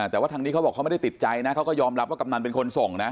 แต่ว่าทางนี้เขาบอกเขาไม่ได้ติดใจนะเขาก็ยอมรับว่ากำนันเป็นคนส่งนะ